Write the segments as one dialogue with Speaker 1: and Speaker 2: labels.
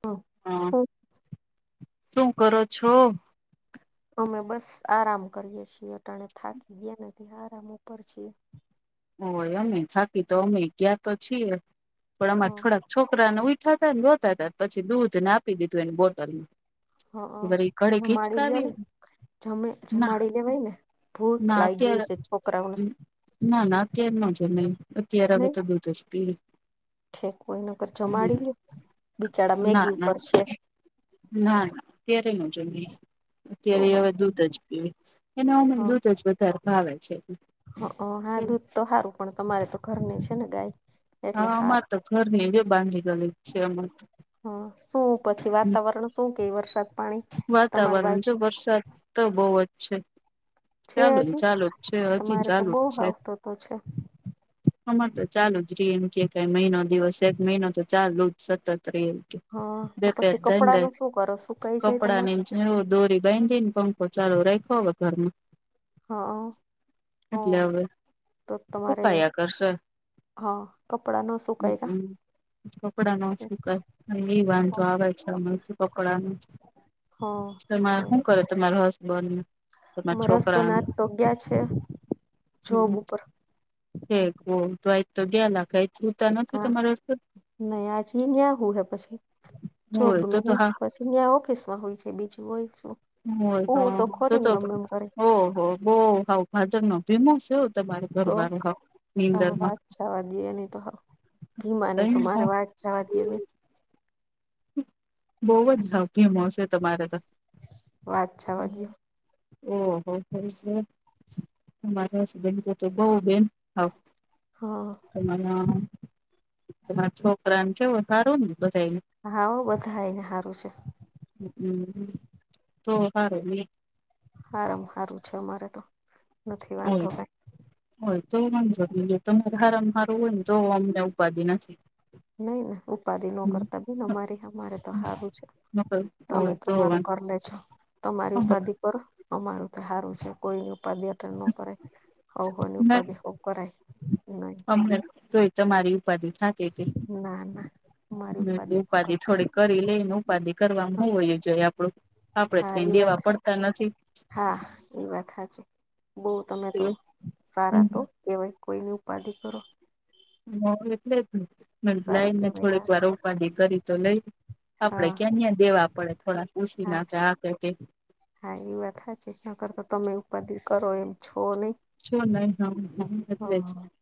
Speaker 1: હા [inaudible]
Speaker 2: શું કરો છો?
Speaker 1: અમે બસ આરામ કરીએ છીએ ટાણે થાકી ગયાને આરામ ઉપર છીએ.
Speaker 2: ઓ એ અમે થાકી તો અમે ગયા તો છીએ પણ અમારે થોડાક છોકરાને ઊયઠા હતા ને રોતા હતા પછી દૂધ ને આપી દીધું એની બોટલ
Speaker 1: હ જમાડી લ્યો ને જમે જમાડી લેવાય ને. ભૂખ લાઈગી હશે છોકરાઓને.
Speaker 2: ના ના અત્યાર ન જમે અત્યારે અવે તો દૂધ જ પીએ.
Speaker 1: છેેક કોઈ ન કર જમાડી લ્યો બિચાડા મેગી ઉપર છેે.
Speaker 2: ના અત્યારે ન જમે. અત્યારે હવે દૂધ જ પીવે એના અને દૂધ જ વધારે ભાવે છે.
Speaker 1: હા દૂધ તો સારું પણ તમારે તો ઘરની છે ને ગાય.
Speaker 2: હા અમારે તો ઘરનીનજ બાંધી ગલી જ છે અમાર ત
Speaker 1: હ શું પછી વાતાવરણ શું કેય વરસાદ પાણી.
Speaker 2: વાતાવરણ જો વરસાદ તો બોવ જ છે. ચાલુ ચાલુ જ છે હજી ચાલુ જ છે. અમાર તો ચાલુ જ રે એમ કે મહિનો દિવસ એક મહિનો તો ચાલુ જ સતત રેય
Speaker 1: હા તો પછી કપડાનું શું કરો શું
Speaker 2: કપડાં ને જો દોરી બાંધીને પંખો ચાલુ રાખો હવે ઘરમાં
Speaker 1: હા હ તો તમારે હા કપડા ન સુકાયલા
Speaker 2: કપડા ન શુંકાસે એ વાંધો આવે છે અ કપડાનો તમારે શું કરે તમારા હસબંધ
Speaker 1: અ મારા સબ આજ [unintelligible] તો ગયા છે જોબ ઉપર
Speaker 2: કે તો ભાઈ તો ગયા લાગે તા [unintelligible] નથી તમારા
Speaker 1: ન આચી ન્યા હું હે પછી જોબ પછી ને ઓફિસમાં હોય છે બીજું હોય શું
Speaker 2: હોય તો તો તો પણ ઓ હો બોવ હાવ [unintelligible]
Speaker 1: તો આ વાત જાવા દઈએ ને તો હવે ભીમાની તો મારે વાત જવા દએ બેન
Speaker 2: બવ જ [unintelligible] મળશે તમારે તો ઓ હો [unintelligible] [unintelligible] તો બઉ બેન [unintelligible]
Speaker 1: હા.
Speaker 2: તમારા તમારા છોકરાને કેવું સારું ને બધાયને
Speaker 1: હા બધાયને હારું છે.
Speaker 2: હમ્મ તો હારુ
Speaker 1: હારમ હારું છે અમારે તો નથી વાંધો કાઈ.
Speaker 2: હોય તો વાંધો નઈ તમારે હારમ હારું હોય ને તો અમને ઉપાધિ નથી.
Speaker 1: નઈ ઉપાધિ ન કરતા બીન અમારી અમારે તો હારું છે. તમે તમારું કર લે છો તમારી ઉપાધિ કરો. અમારું તો હારું છે કોઈ ઉપાધ્યા ન કરાય હોઉં હોઉં ની ઉપાધિ હો કરાય નહી
Speaker 2: અમને તો એ તમારી ઉપાધિ થતી હતી ઉપાધિ થોડીક કરી લઈને ઉપાધિ કરવાવામાં હો એ જોઈએ આપડું આપડે કઈ દેવા પડતા નથી.
Speaker 1: હા એ વાત હાચી બહ તમે તો સારા તો એવય કોઈની ઉપાધિ કરો.
Speaker 2: હ એટલે જ મેકે લાયને થોડીક વાર ઉપાધીર કરી તો લઈ. આપડે ક્યાં ન્યા દેવા પડે થોડાક ઉછીના [unintelligible]
Speaker 1: હા એ વાતા હાચી ન કર તો તમે ઉપાધિ કરો એમ છો નહી.
Speaker 2: [unintelligible]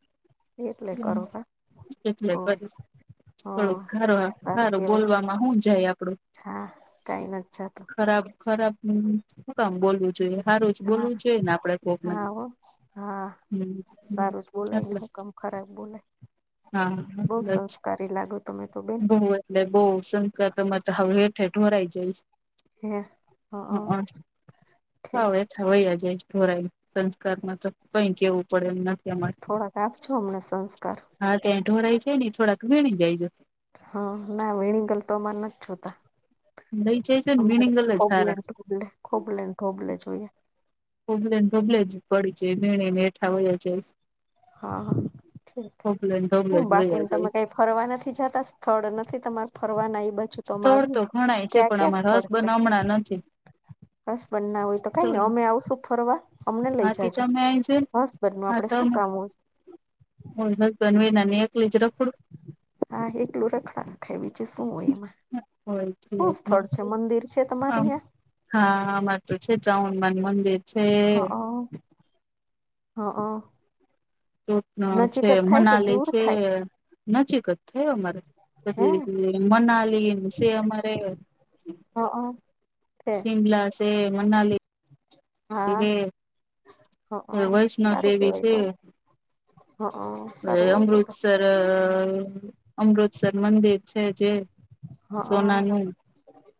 Speaker 2: એટલે ઘડીક થોડુંક હારું હારું બોલવામાં હું જાય આપડું
Speaker 1: હા કઈ નજ જાતું
Speaker 2: ખરાબ ખરાબ શું કામ બોલવું જોઈએ હારું જ બોલવું જોઈએ ને આપડે કોક ને.
Speaker 1: હા સારું જ બોલાયને હુ કામ ખરાબ બોલાય બહુ સંસ્કારી લાગો તમે.
Speaker 2: બહ એટલે બહ સંસ્કાર તો માર તો હેળ થેર ઢોરાય જાય હ હવે [unintelligible] આજે ઢોરાઈ સંસ્કારમાં તો કઈ કેવું પડે એમ નથી અમાં.
Speaker 1: આપ જો અમને સંસ્કાર.
Speaker 2: હા ત્યાં ઢોળઈ જાય ને થોડાક વીણી જાય જો
Speaker 1: હા ના વીણી ગલ તો અમાં નથ જોતા.
Speaker 2: લઈ જાય તો ને મીણીંગલ જ હારા
Speaker 1: ખોબલે ખોબલે ને ખોબલે જોઈએ.
Speaker 2: હૂબલે ને ઢોબલે જ પડી જાય વીણી ને હેઠા વ્યા [unintelligible]
Speaker 1: હા હા ઠીક હું બાકીને તમે કઈ ફરવા નથી જતા સ્થળ નથી તમારે ફરવા ના ઈ બાજુ તમાર ક્યાં ક્યાં સ્થળ છે
Speaker 2: [unintelligible]
Speaker 1: હસબન્ડ ના હોય તો કઈ ની અમે આવશું ફરવા અમને લઈ જાજો. હસબન્ડ નું આપડે શું કામ હોય.
Speaker 2: [unintelligible]
Speaker 1: હા એકલું રખા [unintelligible] શું હોય એમાં શું સ્થળ છે મંદિર છે તમારે અયાં
Speaker 2: હા અમાર તો છે જ હનુમાન મંદિર.
Speaker 1: હા હા. હ હા.
Speaker 2: છે મનાલી છે નજીકત થયો મારે. પછી મનાલી છે અમારે.
Speaker 1: હ આ.
Speaker 2: સિમલાશેે મનાલી.
Speaker 1: હા હ સારું કેવાય તો. હા સારું હોય.
Speaker 2: અમૃતસર અમૃતસર મંદિર છે જે
Speaker 1: હા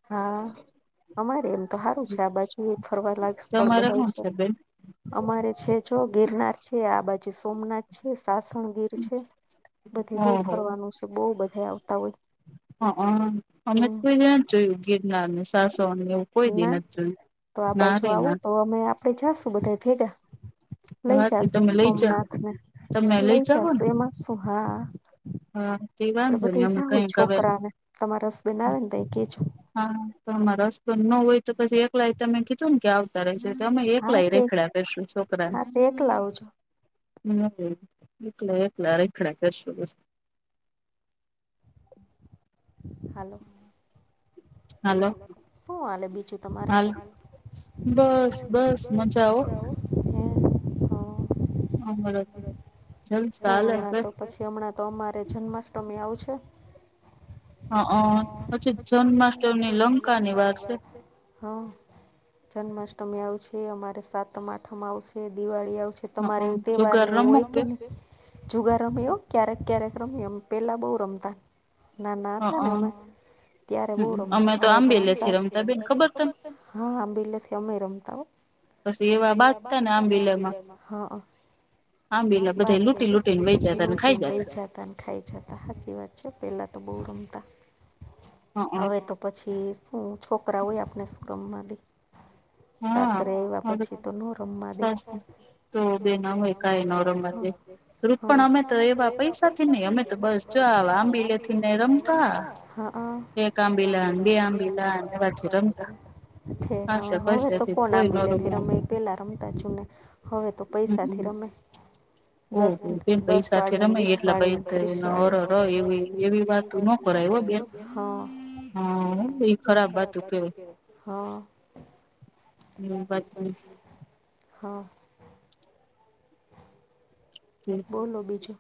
Speaker 1: હા અમારે એમ તો સારું છે આ બાજુ એ ફરવાલાાયક સ્થળ બનાય છે. અમારે છે જો ગિરનાર છે આ બાજુ સોમનાથ છે સાસણગીર છે બધે બહુ ફરવાનું છે બહુ બધા આવતા હોય.
Speaker 2: હ અમે કોઈ્યાં જોયું ગિરનારને સાસોને એવું.
Speaker 1: ના તો આ બાજુ આવું તો અમે આપે જાશું બધા ભેગા લઈ જશ સોમનાથ ને લઈ જશ એમાં શું હા
Speaker 2: હા.
Speaker 1: આપડે બધા જાાવ છોકરા ને તમારે રસ બન આવે ને તઈ કેજો
Speaker 2: હા તોમા રસ ન હોય તો પછી એક એકલાય તમે કીધું ને કે આવતા રહે છે તો અમે એકલાય રેખડા કરશું છોકરાને હમ એકલા એકલા રખડા કરશો બસ
Speaker 1: હાલો.
Speaker 2: હાલો.
Speaker 1: શુંહાલે બીજું.
Speaker 2: હાલ બસ બસ મજા આવ. હરા જલ્સલે છે
Speaker 1: જે હમણાં તો અમારે જન્માષ્ટમી આવશે.
Speaker 2: હ પછી જન્માષ્ટમીની લંકાની વાર છે.
Speaker 1: હા જન્માષ્ટમી આવશે અમારે સાતમ આઠમ આવશે દિવાળી આવશે. તમારે એું તહેવારને એવું હોય કે. જુગાર રમ્યો ક્યારેક ક્યારેક રમ પેલા બહુ રમતા ના ના. હા તા તમે. ત્યારે બહ રમતા હવે મ હા બેલેથી અમે રમતા હો. પછી એવા બાદ છે ને આંબિલર માં હ હા. હ બાતો જુ લુ જતા. ખાઈ જતા હચી વાત છે પેલા તો બહ રમતા હવે તો. પછી શું છોકરા હોય આપણે રમવાદે. સાસરે આવ્યા પછી તો ન રમવા દે
Speaker 2: તો બેનમે કઈ ન રમત રૂપપણ અમે તો એવા પૈસાથી નહી અમે તો બસ જ આંબીલે થી ને રમતા.
Speaker 1: હ એક આંબીલા બે આંબીલા હવે તો કોણ આંબી લેખ રમે પહેલાં રમતા છું ને હવે તો પૈસાથી રમે. દસ દસ વાડી વીસ વાડી ત્રીસ વાડી. હ હ
Speaker 2: [unintelligible] પચીસ
Speaker 1: હા. બોલો બીજુ.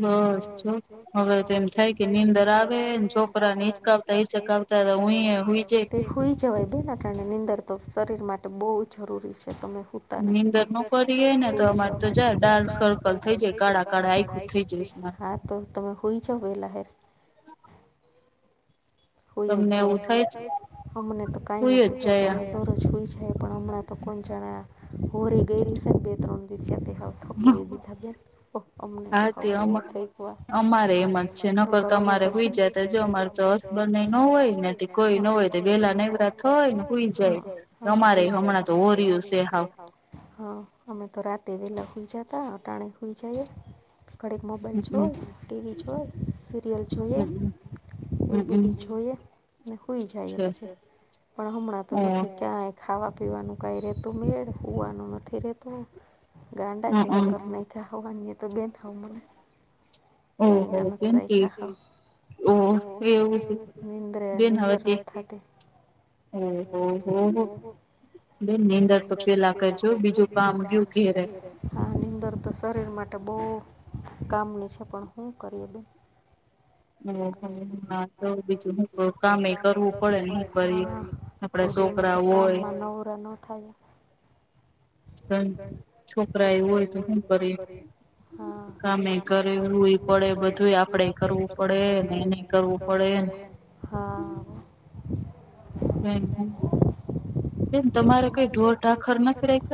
Speaker 2: બસ હવે તેમમ થાય કે નીંદર આવે છોકરા ને હીચકા.
Speaker 1: [unintelligible] જવાય બે નાટણે નીંદર તો શરીર માટે બહુ જરૂરી છે તમે હ અર ને તમારે તો જાય ડાર્ક સર્કલ થઈ જાય ગળા કાળા થ જાય હા તો તમે હોઈ જો બે લહેર [inaudible] છુઈ જાય પણ હમણાં તો કોણ જાણા હોરી ગઈ રહી છે ને બે ત્રણ દિવ. [inaudible]
Speaker 2: નકર તો તમામારે કોઈ જાય તો જો અમાર તો હસબન ન હોય નથી કોઈ ન હોય વેલા નનેવરા થય ને કોઈ જાય અમારે હમણાં તોરીયું સ હા.
Speaker 1: હા અમે તો રાતે વેલા ખુઈ જતા ટાણે ખુઈ જાયએ. ઘડીક મોબાઈલ જોય ટીવી જોઈ સિરિયલ જોઈએ એવું બધું જોઈઈ જાય પછી પણ હમણાં તો નથી ક્યા ખાવા પીવાનું કાંઈ રહેતું મેળ હોવાનું નથી રહેતું ગાંડા જેવા કરર ન. [unintelligible] [unintelligible] એ નિંદ્ર નિંદ્ર ન થતી.
Speaker 2: હમ્મ હમ્મ હમ્મ. બે નીંદર તો પેલા કરજો બીજું કામ ગયું કે ર.
Speaker 1: હા નીંદર તો શરીર માટે બહ કામની છે પણ શું કરીએ બેન.
Speaker 2: હમ્મ હા.
Speaker 1: [unintelligible] [unintelligible] છોકરા એ હોય તો શું કરી? હા કામે કરવું પડે બધું આપડે કરવું પડે. પડે હા.
Speaker 2: મ તમારે કઈ ઢોર ધખર નથી રાખ?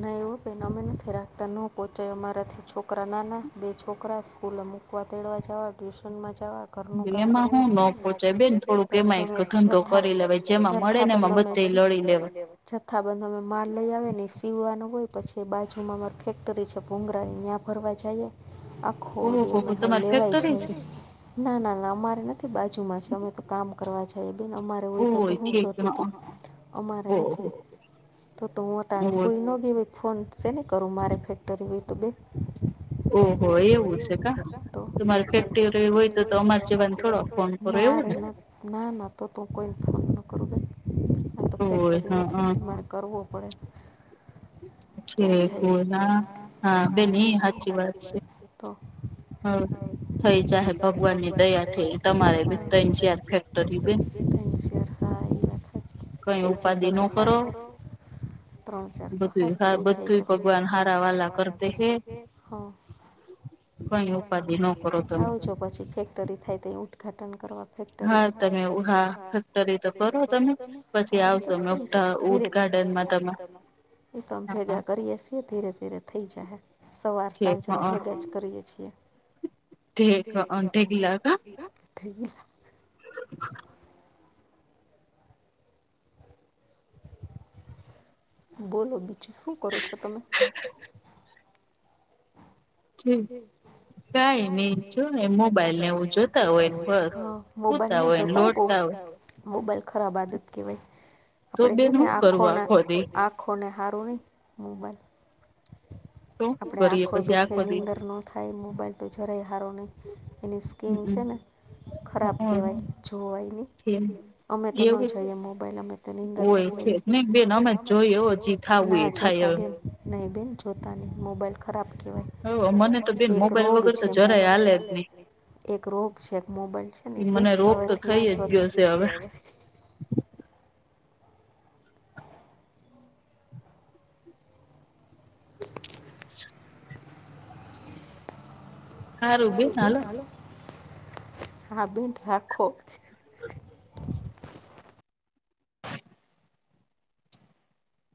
Speaker 1: ન એવો પહેનોમે નથી રાખતા ન પોહંચ મારાથી છોકરા નાના બે છોકરા સ્કૂલમાં વાતડવા જવા ટ્યુશન માં જવા ઘર. [unintelligible] બંધે એ લળી લલેવ જથ્થાબંધ અમે માલ લઈ આવે નને સીવવાનું હોય પછી બાજુમાં અમાર ફેક્ટરી છે ભુંંગરાળ ફરવા જઈએ આખોી અ લેવાય જાય. ના ના ના અમારે નથી બાજુમાં છે અમે તો કામ કરવા જઈએ બેન અમારે તો હું જોતી તું અમારે નથી તો તો હું ત હઈ ની ફોન છે નહી કરું મારે ફેક્ટરી હોય તો બે
Speaker 2: ઓહ એવું છે ક તમારે ફેક્ટરી હોય તો તો અમાર જીવાન થોડો ફોન કરો એવું ને?
Speaker 1: ના ના તો તો હ કોઈને ફોન ન કરું ભાઈ આ તો ફેક્ટરી નથી તમારે કરવો ત આપડે. [unintelligible] તો.
Speaker 2: હ થઈ જાય ભગવાન ની દયાાર થઈ તમારે બી ત જયાર ફેક્ટરી બી
Speaker 1: શા એ થઈ છે તર કરો. ત્રણ ચાર તો હાર થઈ જાય તો ભગવાન હાર વાલા કર હે હ. આવજો પછી ફેક્ટરી થાય તે ઉદઘાટન કરવા. ફેક્ટરી હા તમેા ફેક્ટરી તો કરો તમે હ. ધીરે ધી એમ ભેગા કરી. ધ ધીરે ધીરે થઈ જ હ સવાર સાંજમાં ભેગા જ કરીએે છીએ.
Speaker 2: ઠેક ઠે ગલા ક.
Speaker 1: ઠી
Speaker 2: [inaudible]
Speaker 1: બોલો બીજું શું કરો છો તમે
Speaker 2: હ
Speaker 1: જમ કઈ નઈ જો મોબાઈલ ને એવું જોતા હોય મોબાઈલ ન જોતા હોય હોય. મોબાઈલ ખરાબ આદત કહેવાય આપણેે છે ને આંખોના ખોને હારોની મોબાઈલ આપડણે આખો દુખે નીંદર ન થાય મોબાઈલ તો જરાય સારો નહી એની સ્કીિન છે ને ખરાબ કેહેવાય જોવાય નહી. અમે તો ન જોઈએ મોબાઈલ અમે તોનીંદર કરઈએમે ના જોતા બેન નહી બેન જોતા નહી મોબાઈલ ખરાબ કેવા એક રોગ છે મોબલ એક રોગ છે એક મોબાઈલ છે. અનેથી ના જ હવે [unintelligible] [unintelligible] સારું બેન હાલો હા બેીન રાખો